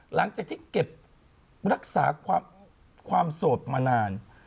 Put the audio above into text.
หลังจากที่เก็บรักษาความโสดมานาน